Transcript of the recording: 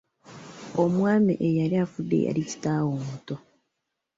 Omwami eyali afudde yali kitaawe omuto.